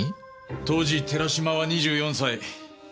当時寺島は２４歳。